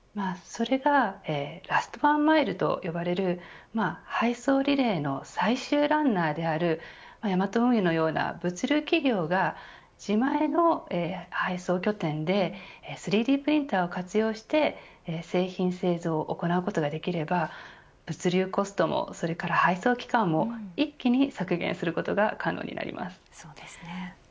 それがラストワンマイルと呼ばれる配送リレーの最終ランナーであるヤマト運輸のような物流企業が自前の配送拠点で３Ｄプリンターを活用して製品製造を行うことができれば物流コストもそれから配送期間も一気に削減することが可能になります。